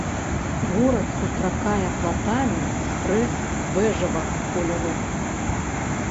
Горад сустракае платамі спрэс бэжавага колеру.